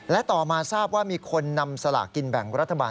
และต่อมาทราบว่ามีคนนำสลากกินแบ่งรัฐบาล